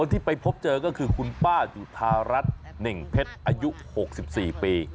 ที่ไปพบเจอก็คือคุณป้าจุธารัฐเน่งเพชรอายุ๖๔ปี